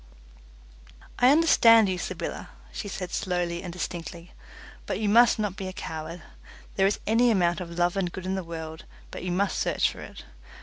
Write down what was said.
"I understand you, Sybylla," she said slowly and distinctly, "but you must not be a coward. There is any amount of love and good in the world, but you must search for it.